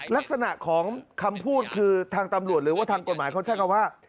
ลักษณะของคำพูดคือทางตำรวจหรือว่าทางกฎหมายเขาใช้คำว่า